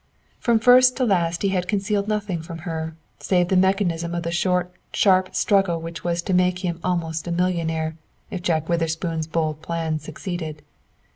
From first to last he had concealed nothing from her, save the mechanism of the short, sharp struggle which was to make him almost a millionaire, if Jack Witherspoon's bold plan succeeded.